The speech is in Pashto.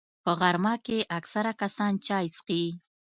په غرمه کې اکثره کسان چای څښي